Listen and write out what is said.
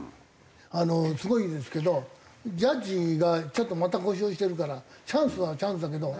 すごいんですけどジャッジがちょっとまた故障してるからチャンスはチャンスだけど。